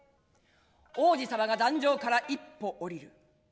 王子様が壇上から一歩下りる。